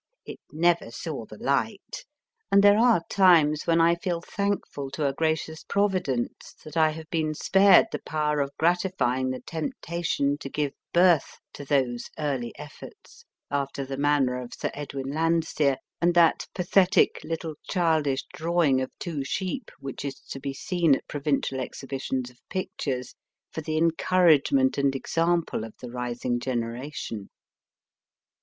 It never saw the light, and there are times when I feel thankful to a gracious Providence that I have been spared the power of gratifying the temptation to give birth to those early efforts, after the manner of Sir Edwin Landseer and that pathetic little childish drawing of two sheep, which is to be seen at provincial exhibitions of pictures, for the encourage ment and example of the rising generation.